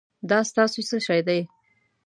دا ستاسو څه شی دی؟